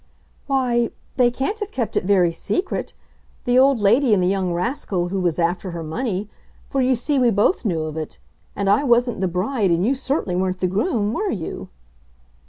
"Why, they can't have kept it very secret, the old lady and the young rascal who was after her money, for you see we both knew of it; and I wasn't the bride and you certainly weren't the groom, were you?"